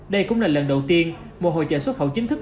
đây cũng là lần đầu tiên một hội trợ xuất khẩu chính thức